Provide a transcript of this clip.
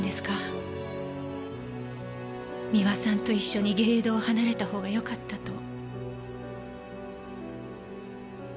三輪さんと一緒に藝榮堂を離れた方がよかったと。